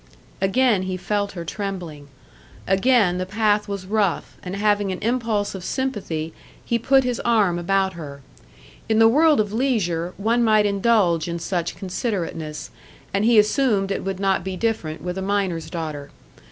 Again he felt her trembling. Again the path was rough, and having an impulse of sympathy, he put his arm about her. In the world of leisure, one might indulge in such considerateness, and he assumed it would not be different with a miner's daughter.